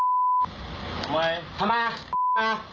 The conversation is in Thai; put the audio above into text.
ทำไมทำไมอ่ะ